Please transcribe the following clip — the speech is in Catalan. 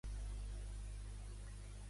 Pareix que no em conegues!